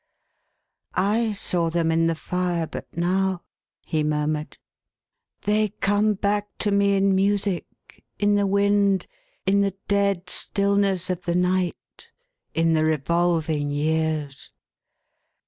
" I saw them, in the fire, but now,11 he murmured. " They A SORROW AND A WRONG. 439 come back to me in music, in the wind, in the dead stillness of the night, in the revolving years."